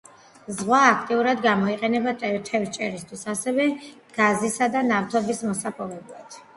ზღვა აქტიურად გამოიყენება თევზჭერისთვის, ასევე გაზისა და ნავთობის მოსაპოვებლად.